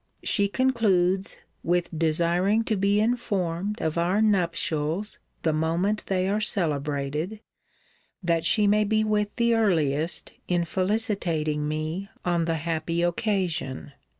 She concludes, with 'desiring to be informed of our nuptials the moment they are celebrated, that she may be with the earliest in felicitating me on the happy occasion.'